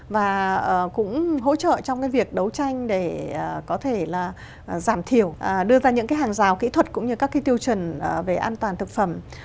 và cũng hỗ trợ trong cái việc đấu tranh để có thể là giảm thiểu đưa ra những cái hàng rào kỹ thuật cũng như các cái tiêu chuẩn về an toàn thực phẩm